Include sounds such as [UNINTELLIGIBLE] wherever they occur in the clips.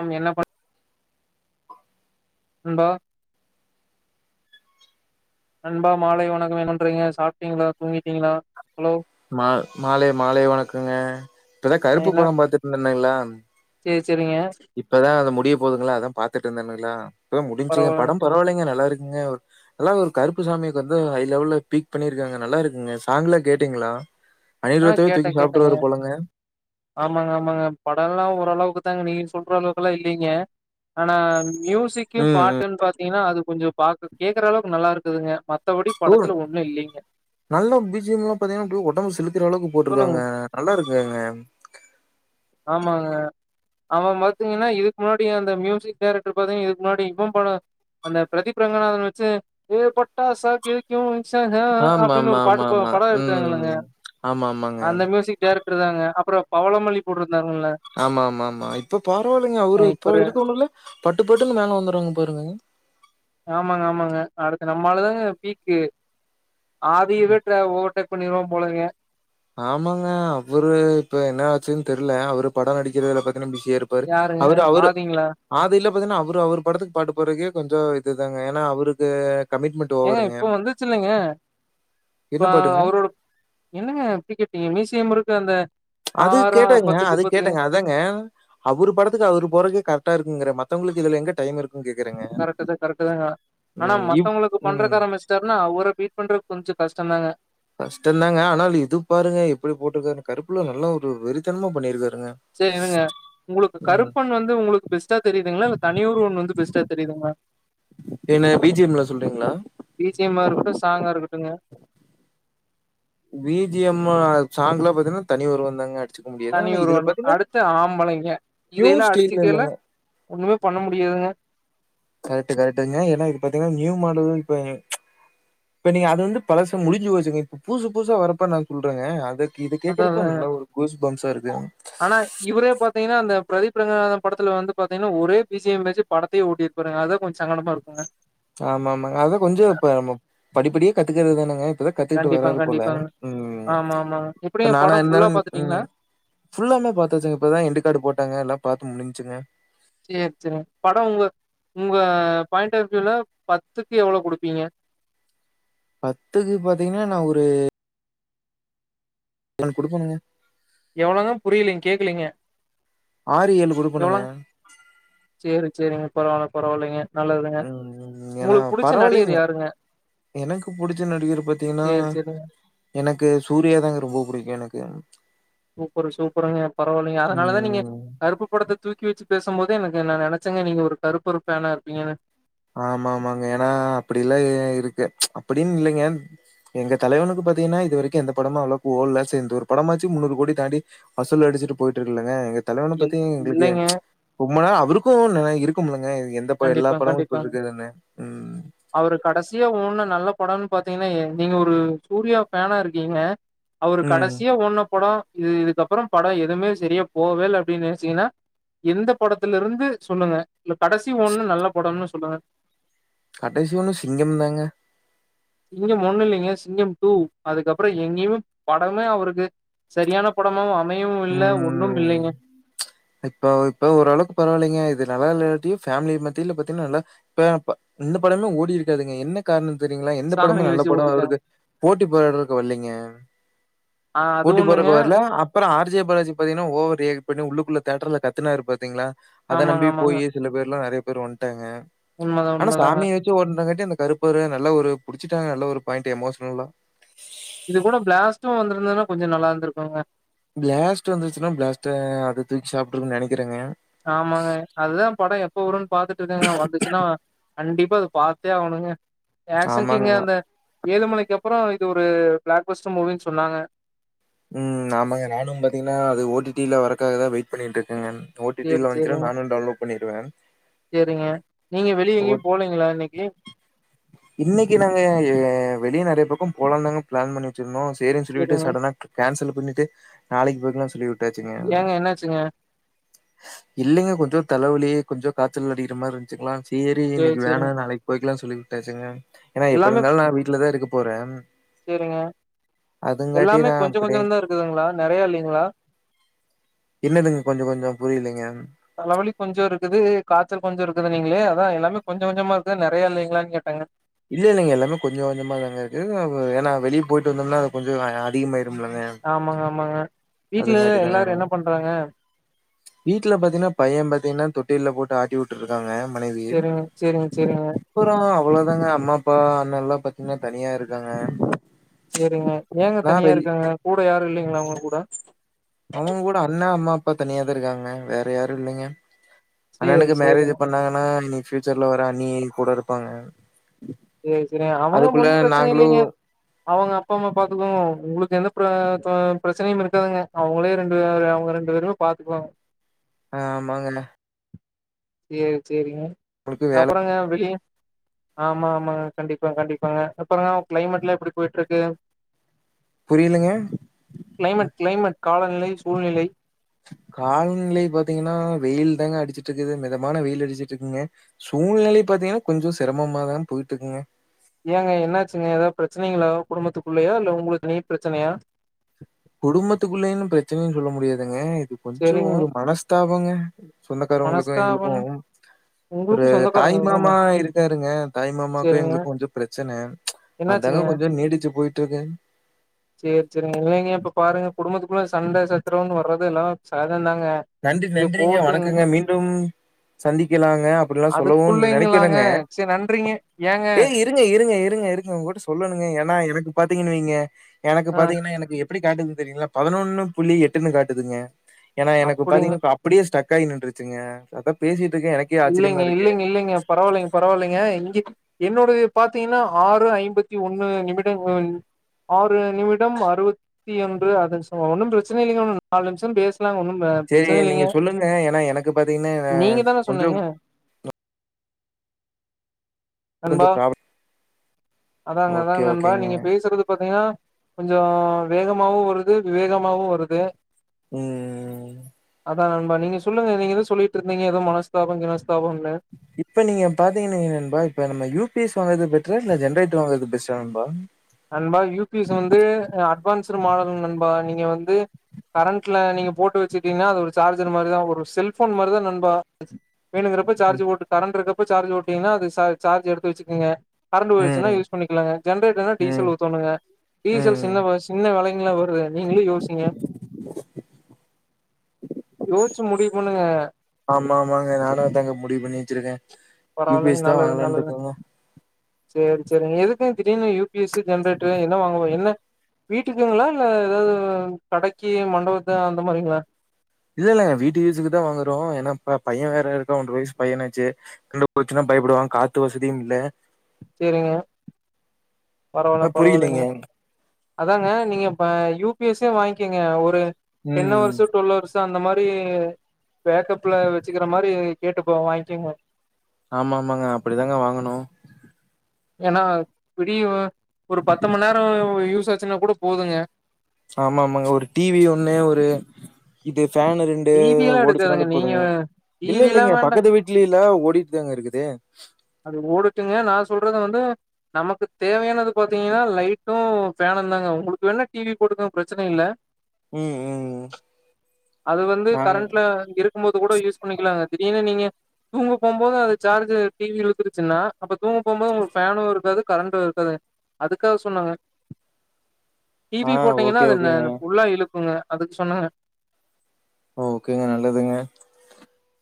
நா என்ன பண்ண நண்பா நண்பா மாலை வணக்கம் என்ன பன்றீங்க சாப்ட்டீங்களா தூங்கி மா மாலை மாலை வணக்கோங்க இப்பதான் கருப்பு படம் பாத்துட்டு [UNINTELLIGIBLE] சரி சரிங்க இப்பதா அது போதுங்களா அதான் பாத்துட்டு இருந்தேங்களா முடிஞ்சுங்க பரவால படம் பரவாலைங்க நல்லா இருக்கு இங்க நல்லா ஒரு கருப்பு சாமிக்கு வந்து ஹை லெவல்ல பீக் பண்ணிருக்காங்க நல்லா இருக்குங்க சாங்ல கேட்டீங்ளா ஆ கேட்ட கேட்டங்க ஆமாங்க ஆமாங்க படோல்லா ஓ ரளவுக்கு தாங்க நீங்க சொல்ற அளவுக்கெல்லா இல்லீங்க ஆனா மியூசிக்கு ம் பாட்டுன் பாத்தீங்கனா அது கொஞ்சோ பாக்கர்க் கேக்கறளவுக் நல்லாருக்குதுங்க ப்ரோ நல்ல பி ஜி எம் லா பாத்தீங்னா அப்டே ஒடம்பு சிலு க்கறளவுக்கு சொல்லுங்க போட்ருக்காங்க நல்லா இருக்குங்க ஆமாங்க அவ பாத்தீங்கன்னா இதுக் முன்னாடி அந்த மியூசிக் டேரக்டர் பாத்தீங்கனா இதுக் முன்னாடி இவ படோ அந்த பிரதீப் ரங்கநாதன் வச்சு ஏ பட்டாசா கேக்கு சஹ ஆமா அப்டின் ஆமா ஒரு பாட்டு ஆமா ப ஆமா படோ எடுத்தாங்கில்லங்க ம் ஆமா ஆமாங்க அந்த மியூசிக் டேரக் ட்ருக்காங்க அப்றோ பவளமல்லி போட்ருந்தாங்கல்ல ஆமா ஆமா ஆமா இப்ப பரவால்லங்க அவுரு இப்ப இப்பரு இருக்கவுங்கல்ல பட்டுப்பட்டுனு மேல வந்துட்றாங்க பாருங்க ஆமாங்க ஆமாங்க அடுத்து நம்மாளு தாங்க பீக்கு ஆதியவே ட்ர ஓவர்டேக் பண்ணீர்வா போலங்க ஆமாங்க அவுரு இப்ப என்ன ஆச்சுன் தெர்ல அவரு படோ நடிக்கறதுல பாத் தனா பிசியா இருப்பாரு யாருங்க அவரு அவரு ஆதிங்களா ஆதில்லா பாத்தினா அவுரு அவுரு படத்துக்கு பாட்டு பாட்றக்கே கொஞ்சோ இதுதாங்க ஏனா அவுருக்கு ஏங்க இப்போ வந்துர்ச்சில்லைங்க ப்ப என்ன பாட்டுங்க? அவுரோட என்னங்க இப்டி கேட் டீங்க மீசைய முறுக்கு அந்த அது ஆறா கேட்டங்க பத்துக்கு அது பத்து கேட்டங்க அதாங்க அவுரு படத்துக்கு அவுரு போட்றக்கே கரக்ட்டா இருக் ங்கற மத்தவங்களுக்கு இதுல எங்க டைம் இருக் கரக்ட்டு தா கரக்ட்டு தாங்க ஆனா ம் இவ் மத்தவங்களுக்கு ம். பண்றக்கு ஆரம்மிஸ்ட்டார்ன்னா அவுர பீட் பண்ற கொஞ்சோ கஷ்டந்தாங்க கஷ்டந்தாங்க ஆனா இது பாருங்க எப்டி போட்ருக்காருன்னு கருப்புல நல்லா ஒரு வெறித்தன்மா பண்ணிருக்காரு சேரி இருங்க உங்குளுக்கு கருப்பன் வந்து உங்குளுக்கு பெஸ்ட்டா தெரியிதுங்ளா இல்ல தனி ஒருவன் வந்து பெஸ்ட்டா தெரியிதுங்ளா என்ன பிஜிஎம்ல சொல்றீங்களா? பி ஜி எம் மா இருக்கட்டு சாங்கா இருக்கட் டுங்க பி ஜி எம் மு, சாங்கெல்லா பாத்தீன்னா தனி ஒருவன் தாங்க அடி தனி ஒருவனு, அடுத்து ஆம்பளைங்க நியூ இதயெல்லா ஸ்டீல் அடிச்சிக்கெல்லா இல்லங்க ஒன்னுமே பண்ண முடியாதுங்க கரக்ட்டு கரக்ட்டுங்க ஏனா இது பாத்தீங்னா நியூ மாடல் இப்பங்க இப்ப நீங்க அது வந்து பழசு முடிஞ்சு போச்சுங்க இப்ப புதுசு புதுசா வரப்ப நா சொல்றங்க அது இது அத கேக்கறப்ப நல்லா ஒரு கூஸ் பம்ஸா இருக்கு ஆனா இவரே பாத்தீங்கன்னா அந்த பிரதீப் ரங்கநாதன் படத்துல வந்து பாத்தீங்ன்னா ஒரே பி ஜி எம் வெச்சு படத்தயே ஓட்டீர் பாருங்க அதா கொஞ் சங்கடமா இருக்குங்க ஆமா ஆமாங்க அதா கொஞ்சோ இப்ப நம்ம படிப்படியா கத்துக்கறத் தானங்க இப்பதா கத்துக்கிட்டு கண்டிப்பாங்க வராரு போல கண்டிப்பாங்க ம் ஆமா ஆமாங்க இப்ப எப்டிங்க நானா படோ ஃபுல்லா இர்ந்தாலு ம் பாத்துட்டீங்களா ம் ஃபுல்லாவ்மே பாத்தாச்சுங்க இப்பதா எண்டு கார்டு போட்டாங்க எல்லா பாத்து முடின் ச்சுங்க சேரி சேரிங் படோ உங்க உங்க பாயிண்ட் ஆஃப் வியூல பத்துக்கு எவ்ளோ குடுப்பீங்க பத்துக்கு பாத்தீங்னா நா ஒரு ஒன் குடுப்பனுங்க எவ்ளோங்க புரியலீங் கேக்கலீங்க ஆறு, ஏழு குடுப்பனுங்க எவ்ளோங் சேரி சேரிங்க பரவால்ல பரவால்லைங்க நல்லதுங்க ஏனா உங்களுக்கு புடிச்ச நடிகர் பரவால்லைங்க யாருங்க எனக்கு புடிச்ச நடிகரு பாத்தீங்கன்னா சேரி சேரிங்க எனக்கு சூர்யா தாங்க ரொம்ப புடிக்கு எனக்கு சூப்பரு சூப்பருங்க பரவால்லிங்க அதனாலதா நீங்க ம் கருப்பு படத்துக் தூக்கி வச்சு பேசும்போதே எனக்கு நா நெனைச்சேங்க நீங்க ஒரு கருப்பரு ஃபேனா இருப்பீங்கனு ஆமா ஆமாங்க ஏனா அப்டிலாயே இருக்கு அப்டின் இல்லைங்க எங்க தலைவனுக்கு பாத்தீங்னா இது வரைக்கூ எந்த படமோ அவ்ளக்கு ஓட்ல சே இந்த ஒரு படமாச்சு முன்னூறு கோடி தாண்டி வசூல் அடிச் சிட்டு போயிட்டுருக்குலங்க எங்க தலைவன இல் பத்தி எங்களுக்கு எ இல்லைங்க ரொம்ப நாள் அவருக்கூ ந இருக்கும்லங்க எந்த ப எல்லா படம் வன் அவரு கடைசியா ஒன்னு நல்லப் படன் பாத்தீங்னா எ நீங்க ஒரு சூர்யா ஃபேனா இருக்கீங்க அவரு ம் கடைசியா ஓட்ன படோ இது இதுக்கப்றோ படோ எதூமே செரியா போவேல்ல அப்டி நெனைச்சீங்னா எந்த படத்துலருந்து சொல்லுங்க இல்ல கடைசி ஓட்ன நல்ல படோன்னு சொல்லுங்க கடைசி ஒன்னு சிங்கம்தாங்க சிங்கம் ஒன்னுல்லிங்க சிங்கம் டூ அதுக்கப்றோ எங்கேயுமே படமே அவருக்கு செரியான படமாவூ அமையவூ இல்ல ம் ஒன்னுமில்லைங்க இப்ப இப்ப ஓரளவுக்கு பரவால்லிங்க இது நல்லால்லியாட்டியு ஃபேம்லி மத்தியில பாத்தீங்னா நல்லா பேம்ப் இந்த படமே ஓடி இருக்காதுங்க என்ன கார்ணத் தெரியுங்ளா எந்த சாமி படமு நல்ல வச்சு படோ ஓட்டிட்டாங்க. அவருது போட்டி போட்றக் வர்ல்லிங்க ஆ அது போட்டி ஒண்ணுங்க போறக்கு வர்ல அப்புறோ ஆர் ஜே பாலாஜி பாத்தீங்னா ஓவர் ரியாக்ட் பண்ணி உள்ளுக்குள்ள தேட்டர்ல கத்துனாரு பாத்தீங்ளா அத ஆமாங்க நம்பி ஆமாங்க. போயி சில பேர்லா நறைய பேர் வன்ட்டாங்க உண்மதா ஆனா உண்மதாங்க. சாமிய வச்சி ஓட்னங்காட்டி அந்த கருப்பரு நல்ல ஒரு புடிச்சிட்டாங்க நல்ல ஒரு பாயிண்ட்டு எமோஷ்னலா இது கூட பிளாஸ்ட்டூ வந்திருந்துதுனா கொஞ்சோ நல்லாந்துருக்கோங்க பிளாஸ்ட் வந்துச்சுன்னா பிளாஸ்ட்டே அத தூக்கி சாப்ட்ரூன் நெனைக் ஆமாங்க அதுதா படோ எப்ப வரூன் பாத்துட்ருக்கேங்க வந்துச்சுன்னா கண்டிப்பா அது பா த்தே ஆவணுங்க ஆக்ஷ்ன் ஆமாங்க. கிங்க அந்த ஏழு மலைக்கப்றோ இது ஒரு ப்ளாக்பஸ்ட்டு மூவின் சொன்னாங்க ம் ஆமாங்க நானும் பாத்தீங்கன்னா அது ஓ டி டி ல வர்றக்காகதா வெயிட் பண்ணிட்ருக்கங்கன் ஓ டி டி ல வந்ச்சினா நானு டவுன்லோட் பண்ணிருவே செரிங்க நீங்க வெளிய எங்கயூ போலீங்ளா இன்னைக்கி இன்னைக்கி நாங்க வெளியே நறைய பக்கம் போலாந்தாங்க ப்ளான் பண்ணி வச்சிருந்தோ சேரின் சொல்லிட்டு சேரிங்க. சடனாக் கேன்சல் பண்ணிட்டு நாளைக்கு போயிக்லா சொல்லிவிட் ஏங்க என்னாச்சுங்க இல்லைங்க கொஞ்சோ தலைவலி கொஞ்சோ காச்சல் அடிக்ற மாரி இந்துச்சுங்களா தேரி சேரி இன்னைக்கி வேணா சேரிங்க. நாளைக் போயிக்கலா சொல்லி விட்டாச்சுங்க ஏனா எப்டிருந்தாலு நா வீட்ல தா இருக்கப்போறேம் செரிங்க எல்லாமே நான் கொஞ்சோ அப்படியே கொஞ்சந்தா இருக்குதுங்ளா நறைய இல்லிங்க்ளா என்னதுங்க கொஞ்ச கொஞ்சோ புரிலைங்க தலைவலி கொஞ்சோ இருக்குது காச்சல் கொஞ்சோ இருக்குதுனீங்ளே அதா எல்லாமே கொஞ்ச கொஞ்சமா இருக்குதா நறைய இல்லிங்ளான் கேட்டேங்க இல்லல்லைங்க எல்லாமே கொஞ்ச கொஞ்சமா தாங்க இருக்கு ஏனா வெளியே போயிட்டு வந்தோனா அது கொஞ்சோ அதிகமாய் ஆமாங்க ஆமாங்க வீட்ல அதுங்காட்டி எல்லாரு தாங்க என்ன பண்றாங்க வீட்ல பாத்தீங்னா பைய பாத்தீங்னா தொட் டில்ல போட்டு ஆட்டிவுட்டுருக்காங்க மனைவி சேரிங்க சேரிங்க சேரிங்க அப்றோ அவ்ளோதாங்க அம்மாப்பா அண்ணல்லா பாத்தீங்னா தனியா இருக்காங்க செரிங்க ஏங்க நான் தனியா வெளி இருக்காங்க கூட யாரு இல்லைங்களா உங்க கூட அவுங்க கூட அண்ணா அம்மாப்பா தனியாதா இருக்காங்க வேற யாருல்லைங்க சேரி அண்ணனுக்கு சேரிங்க மேரேஜ் பண்ணாங்கனா இனி ஃபியூச்சர்ல வர அண்ணி கூட இருப்பாங்க செரி செரி அவங்க அதுக்குள்ள ஒன்னு ப்ரச்சன நாங்களும் இல்லைங்க அவுங்க அப்பாம்மா பாத்துக்குவாங்க உங்குளுக்கு எந்த ப்ர தோ ப்ரச்சனையுமிருக்காதுங்க அவுங்ளே ரெண்டு பே அவுங்க ரெண்டு பேருமே பாத்துக்குவாங்க ஆ ஆமாங்கண்ணா சேர் செரிங்க வேல அப்றங்க வெளிய ஆமா ஆமாங்க கண்டிப்பா கண்டிப்பாங்க அப்பறங்க கிளைமேட் எல்லா எப்டி போயிட்டு இருக்கு புரியலங்க கிளைமேட் கிளைமேட் காலநிலை சூழ்நிலை காலநிலை பாத்தீங்கன்னா வெயில் தாங்க அடிச்சிட்டு இருக்குது மிதமான வெயில் அடிச்சுட்டு இருக்குங்க சூழ்நிலை இப் பாத்தீங்கன்னா கொஞ்சோ சிரமமாதா போயிட்டிருக்குங்க ஏங்க என்னாச்சுங்க ஏதாவது பிரச்சனைங்களா குடும்பத்துக்குள்ளையா இல்ல உங்களுக்கு நீ பிரச்சனையா பிரச்சனன்னு சொல்ல முடியாதுங்க இது கொஞ்சோ சேரிங்க ஒரு மனஸ்தாபங்க சொந்தக்காரவங்களுக்கு மனஸ்தாபம் எங்களுக்கு ஒரு உங்களுக்கு தாய் சொந்தக்காரங்களுக்குமா மாமா இருக்காருங்க தாய் மாமாக்கு சேரிங்க எங்களுக்கும் கொஞ்சோ பிரச்சன்ன அதாங்க என்னாச்சுங்க கொஞ்சோ நீடிச்சு போயிட்டு இருக்கு சேரி சேரிங்க இல்லைங்க இப்ப பாருங்க குடும்பத்துக்குள்ள சண்டை சச்சரவுன்னு வர்றது எல்லா ச நன்றி நன்றிங்க வணக்கங்க மீண் டும் சந்திக்கலாங்க அப்படில்லா சொல்லவு அதுக்குள்ளைங்களாங்க நெனைக்கிறங்க சேரி நன்றிங்க ஏங்க ஏய் இருங்க இருங்க இருங்க இருங்க உங்ககிட்ட சொல்லணுங்க ஏன்னா எனக்கு பாத்தீ ங்க வைங்க எனக்கு ஆ பாத்தீங்கன்னா எனக்கு எப்டி காட்டுது தெரியுங்களா பதினொன்னு புள்ளி எட்டுன்னு காட்டுதுங்க ஏன்னா எனக்கு அப்டிங்க பாத்தீங்கன்னா இப்ப அப்டியே ஸ்டக் ஆகி நின்னுருச்சுங்க அதா பேசிட்டு இருக்கேன். எனக்கே ஆச்சரியமா இல்லைங்க இருக்கு. இல்லைங்க இல்லைங்க பரவாயில்லைங்க பரவாயில்லைங்க இங்க என்னோடது பாத்தீங்கன்னா ஆறு ஐம்பத்தி ஒண்ணு நிமிடங்கள் ஆறு நிமிடம் அறுபத்தி ஒன்று [UNINTELLIGIBLE] ஒன்னு பிரச்சனை இல்லைங்க உன்ன நாலு நிமிஷ பேச லாங் ஒன்னு சரி, பிரச்சன நீங்க இல்லைங்க சொல்லுங்க. ஏன்னா, எனக்கு பார்த்தீங்கன்னா, நீங்க தான சொன்னீங்க கொஞ்சம் கொஞ்சோ நண்பா பிராப்ளம் அதாங்க அதாங்க நண்பா நீங்க பேசுறது பாத்தீங்கன்னா கொஞ்சோ வேகமாவு வருது விவேகமாவு வருது ம் அத நண்பா நீங்க சொல்லுங்க நீ ஏதோ சொல்லிட்டு இருந்தீங்க ஏதோ மனஸ்தாப கினஸ்தா இப்ப நீங்க பாத்தீங்கன்னு வைங்க நண்பா இப்ப நம்ம யூ பி எஸ் வாங்கறது பெ ட்ரே நா ஜென்ரெட்டர் வாங்கறது பெஸ்ட்டா நண்பா நண்பா யூ பி எஸ் வந்து அட்வான்ஸ்ட் மாடல் நண்பா நீங்க வந்து கரண்ட்ல நீங்க போட்டு வச்சுட்டீங்கன்னா அது ஒரு சார்ஜர் மாரிதா ஒரு செல்ஃபோன் மாரிதா நண்பா வேணுங்கிறப்ப சார்ஜ் ம். போட்டு கரண்ட் இருக்கப்ப சார்ஜ் போட்டீங்கன்னா அது ச சார்ஜ் எடுத்து வச்சுக்கங்க கரண்ட் போயிருச்சுன்னா ம். யூஸ் பண்ணிக்கலாங்க ஜென்ரேட்டர்ன்னா டீசல் ம். ஊத்தோனுங்க டீசல் ம். சின்ன வ சின்ன வெல ங்களா வருது நீங்களு யோசிங்க யோசிச்சு முடிவு பண்ணுங்க ஆமா ஆமாங்க நானு அதாங்க முடிவு பண்ணி வெச்சிருக்க யூ பி எஸ் தா வாங்கலானு இருக்கங்க செரி செரிங்க எதுக்குங்க திடீருனு யூ பி எஸ் ஜென்ரேட்டர் என்ன வாங்க போற என்ன வீட்டுக்குங்களா இல்ல ஏதாவது கடைக்கி மண்டபத்து அந்த மாரிங்களா இல்லல்லங்க வீட்டு யூசுக்கு தா வாங்குறோ ஏன்னா ப்ப பைய வேற இருக்கா ஒரன்ற வயசு பையனாச்சு கரண்டு போச்சுன்னா பயப்படுவாங்க காத்து வசதியும் இல்ல செரிங்க பரவால்ல அ பரவாயிலெங்க புரியலைங்க. அதாங்க நீங்க ப யூப் பி எஸே வாங்கிக்கங்க ஒரு டென் ம். ஹவர்ஸு டுவெல்ஹவர்ஸு அந்த மாரி இ பேக்கப்ல வச்சுக்கிற மாரி கேட்டுப்போ வாங்கிக்கங்க ஆமா ஆமாங்க அப்டிதாங்க வாங்கணு ஏனா விடியு ஒரு பத்து மண் நேரோ யூஸ் ஆச்சுன்னா கூட போதுங்க ஆமா ஆமாங்க ஒரு டிவி ஒண்ணு ஒரு இது ஃபேன் ரெண்டு டி வி எல்லா ஓடிச்சுனாலே எடுக்காதுங்க நீங்க போதுங்க டி இல்ல வி எல்லா இல்லலைங்க வேண்டா பக்கத்து வீட்டுலி எல்லா ஓடிட்டுதாங்க இருக்குது அது ஓடுட்டுங்க நா சொல்றது வந்து நமக்கு தேவயானது பாத்தீங்கனா லைட்டு ஃபேன் ந்தாங்க உங்களுக்கு வேணா டிவி போட்டுக்கொங்க பிரச்சன இல்ல ம், ம். அது வந்து நாங் கரண்ட்ல இருக் கும்போது கூட யூஸ் பண்ணிக்கலாங்க திடீர்னு நீங்க தூங்க போம் போது அது சார்ஜூ டிவி இழுத்துருச்சுன்னா அப்ப தூங்க போம்போது உங்களுக்கு ஃபேனு இருக்காது கரண்டு இருக்காது அதுக்காக சொன்னங்க ஆ டிவி போட்டீங்கன்னா ஓகே, ஓகேங்க. அது ஃபுல்லா இழுக்குங்க அதுக்கு சொன்னங்க ஓ ஓகேங்க நல்லதுங்க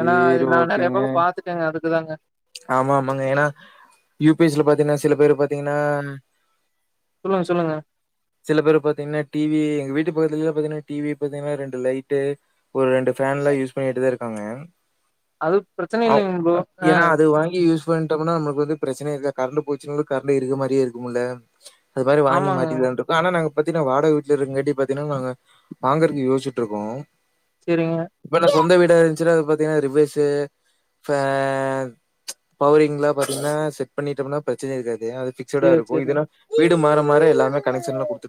ஏன்னா சரி நா நெறைய ஓகேங்க. பக்கோ பாத்துட்டங்க அதுக்குதாங்க ஆமா ஆமாங்க ஏனா யு பி எஸ் ல பாத்தீங்கனா சில பேரு பாத்தீங்கனா சொல்லுங்க சொல்லுங்க சில பேரு பாத்தீங்னா டிவி எங்க வீட்டு பக்கத்துலல்லா பாத்தீங்னா டிவி பாத்தீங்னா ரெண்டு லைட்டு ஒரு ரெண்டு ஃபேன்லா யூஸ் பண்ணிட்டுதா இருக்காங்க அது பிரச்சன ஆம் இல்லைங்க ப்ரோ அ ஆ ஏனா அது வாங்கி யூஸ் பண்ட்டோமுனா நம்ம போது பிரச்சன இருக்காது கரண்டு போச்சுனாலு கரண்டு இருக்க மாரியே இருக்கும்ல்ல அது மாரி வாங்கி ஆமாங்க மாட்டிர்லான் இரு நாங்க பாத்தீங்னா வாடக வீட்ல இருக்கங்காட்டி பாத்தீனா நாங்க வாங்கறக்கு யோச்சிட்டு இருக்கோ சேரிங்க பல சொந்த வீடு டா இருஞ்சினா அது பாத்தீங்னா ரிவேசு ஃபேன் பவரிங்ல பாத்தீங்ன்னா செட் பண்ணிட்டம்னா பிரச்சனை இருக்காது தே அது பிக்சடா சேரி இருக்கு சேரி இதனா வீடு மாற மாற எல்லாமே கனெஷன்ல குடு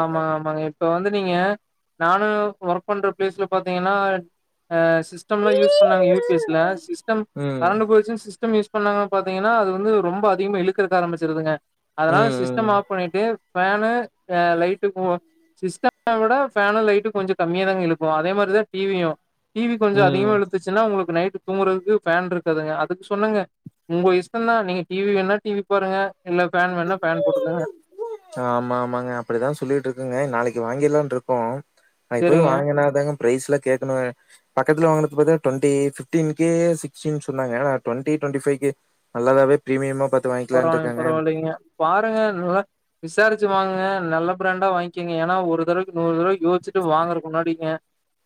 ஆமா ஆமாங்க இப்ப வந்து நீங்க நானு ஒர்க் பண்ற பிளேஸ்ல பாத்தீங்கன்னா அ சிஸ்டம்லா யூஸ் பண்ணாங்க ய பி எஸ்ல சிஸ்டம் ம் கரண்டு போய்ச்சு சிஸ்டம் யூஸ் பண்ணாங்க பாத்தீங்கன்னா அது வந்து ரொம்ப அதிகமா இழுக்கறக்க ஆரம்பிச்சிருதுங்க அதனால சிஸ்டம் ம் ஆஃப் பண்ணிட்டு ஃபேனு அ லைட்டு [UNINTELLIGIBLE] சிஸ்டம விட ஃபேனு லைட்டு கொஞ்சோ கம்மியா தாங்க இழுக்கு அதே மாரிதா டிவியு டிவி கொஞ்சோ ம் ம் அதிகமா இழுத்துச்சுன்னா உங்களுக்கு நைட்டு் தூங்குறதுக்கு ஃபேன் இருக்காதுங்க அதுக்கு சொன்னங்க உங்க இஷ்டந்தா நீங்க டிவி வேணா டிவி பாருங்க இல்ல ஃபேன் வேணா ஃபேன் போட்டுக்கங்க அப்டிதா சொல்லிட்டு இருக்குங்க நாளைக்கு வாங்கிலான்ட்ருக்கோ அது இப்பவே சரிங்க. வாங்கினாதாங்க பிரைஸ்ல கேக்கனு பக்கத்துல வாங்கனது பாத்தீங்னா டொன்ட்டி பிப்டின் கே சிக்ஸ்டின் சொன்னாங்க நா டுவெண்டி ட்வண்டி ஃபைக்கு நல்லதாவே பிரீமியமா பாத் பரவால் பரவால்லிங்க பாருங்க நல்லா விசாரிச்சு வாங்குங்க நல்ல பிராண்டா வாங்கிங்க ஏனா ஒரு தடவைக்கு நூறு தடவ யோச்சிட்டு வாங்குறக்கு முன்னாடிங்க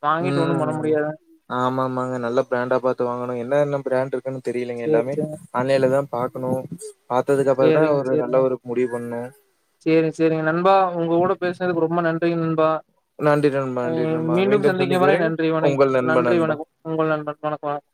வாங்கிட்டு ஒண்ணும் பண்ண ம் முடியாதுங்க. ஆமாமாங்க நல்ல பிராண்டா பாத்து வாங்கனு என்னன்னம் தெரியலங்க சேரி எல்லாமே சேரிங்க, ஆன்லைன்ல தா பாக்கணு பாத்ததுக்கு அப்புற தா சேரிங்க, ஒரு சேரிங்க, நல்ல ஒரு முடிவு பண்ணு சேரி சேரிங்க நண்பா உங்க கூட பேசுனதுக்கு ரொம்ப நன்றிங்க நண்பா நன்றி நண்பா, நன்றி ம் நண்பா. மீண்டும் சந்திக்கும் வரை நன்றி வண உங்கள் நண்பன் நன்றி நண்பா. வணக்கம் உங்கள் நண்பண் வணக்கம் வணக்கம்